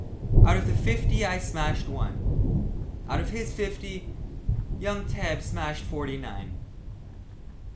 Out of my fifty I smashed one. Out of his fifty young Tebb smashed forty nine.